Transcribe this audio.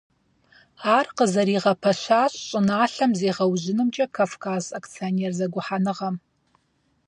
Ар къызэригъэпэщащ щӀыналъэм зегъэужьынымкӀэ «Кавказ» акционер зэгухьэныгъэм.